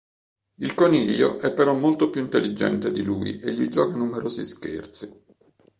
Il coniglio è però molto più intelligente di lui e gli gioca numerosi scherzi.